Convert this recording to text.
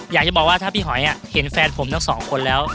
อยากจะบอกว่าถ้าพี่หอยเห็นแฟนผมทั้งสองคนแล้ว